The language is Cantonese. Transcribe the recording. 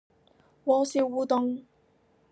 鍋燒烏冬